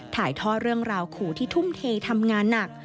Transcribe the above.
ถ่ายทอดเรื่องราวขู่ที่ทุ่มเททำงานหนัก